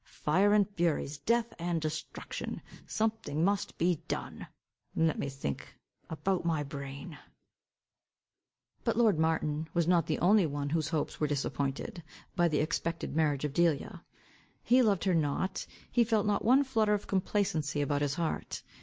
Fire and furies, death and destruction! something must be done. Let me think About my brain." But lord Martin was not the only one whose hopes were disappointed, by the expected marriage of Delia. He loved her not, he felt not one flutter of complacency about his heart.